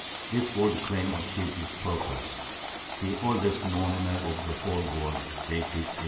This bold claim achieved its purpose. The oldest known map of the whole world, dated A.